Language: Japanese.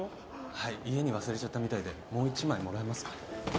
はい家に忘れちゃったみたいでもう一枚もらえますか？